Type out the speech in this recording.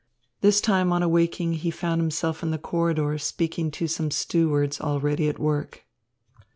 This time on awaking he found himself in the corridor speaking to some stewards, already at work.